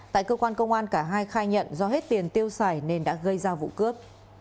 tại cơ quan công an cả hai khai nhận do hết tiền tiêu xài nên đã gây ra vụ cướp